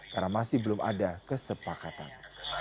karena masih belum ada kesepakatan